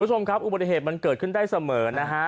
คุณผู้ชมครับอุบัติเหตุมันเกิดขึ้นได้เสมอนะฮะ